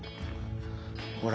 ほら。